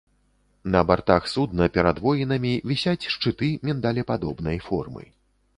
На бартах судна перад воінамі вісяць шчыты міндалепадобнай формы.